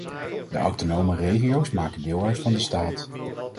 De autonome regio's maken deel uit van de staat.